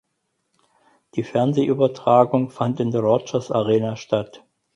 Die Fernsehübertragung fand in der Rogers Arena statt.